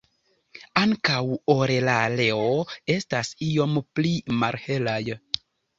Ankaŭ orelareo estas iom pli malhelaj.